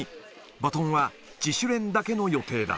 バトンは自主練だけの予定だ。